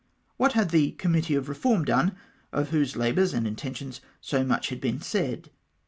What had the Committee of Reform done — of whose labours and intentions so much had been said